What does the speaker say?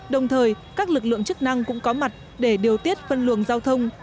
đồng thời các lực lượng chức năng cũng có mặt để điều tiết phân luồng giao thông